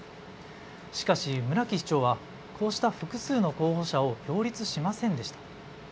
しかし村木市長はこうした複数の候補者を擁立しませんでした。